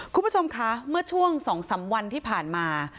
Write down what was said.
คุณผู้ชมคะเมื่อช่วง๒๓วันที่ผ่านมา